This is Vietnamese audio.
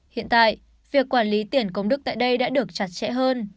hiện tại việc quản lý tiền công đức tại đây đã được chặt chẽ hơn